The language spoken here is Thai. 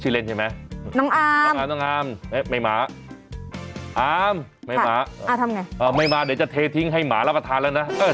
ใช้เมียได้ตลอด